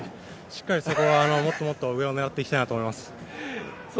しっかりそこはもっともっと上を狙っていきたいと思います。